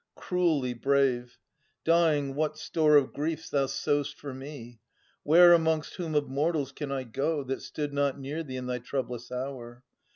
Cruelly brave! Dying, what store of griefs thou sow'st for me ! Where, amongst whom of mortals, can I go, That stood not near thee in thy troublous hour?